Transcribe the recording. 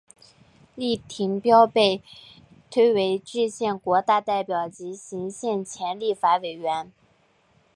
丁廷标被推为制宪国大代表及行宪前立法委员。